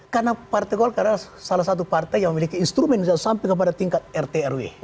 karena partai golkar adalah salah satu partai yang memiliki instrumen yang sampai kepada tingkat rtrw